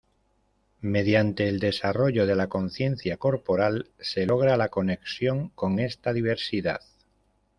Mediante el desarrollo de la conciencia corporal, se logra la conexión con esta diversidad.